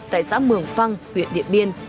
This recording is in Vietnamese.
tại xã mường phăng huyện điện biên